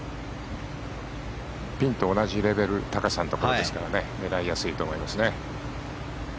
ピンと同じレベル高さのところですから狙いやすいと思いますね。